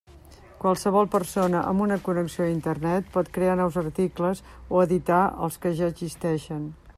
Qualsevol persona amb una connexió a Internet pot crear nous articles, o editar els que ja existeixen.